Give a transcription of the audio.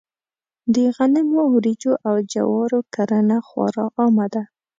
د غنمو، وريجو او جوارو کرنه خورا عامه ده.